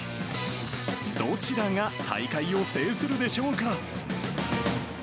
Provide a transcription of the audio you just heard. どちらが大会を制するでしょうか。